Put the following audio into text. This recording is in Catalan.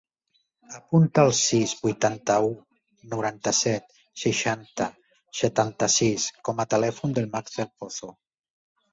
Apunta el sis, vuitanta-u, noranta-set, seixanta, setanta-sis com a telèfon del Max Del Pozo.